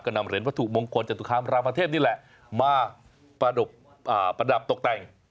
นำเหรียญวัตถุมงคลจตุคามรามเทพนี่แหละมาประดับตกแต่ง